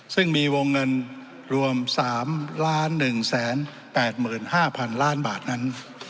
ซึ่งมีวงเงินรวม๓๑๘๕๐๐๐ล้านบาทนั้น